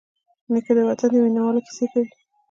نیکه د وطن د مینوالو کیسې کوي.